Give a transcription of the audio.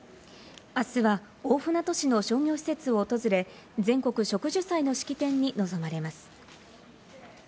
あすは大船渡市の商業施設を訪れ、全国植樹祭の式典に臨まれます。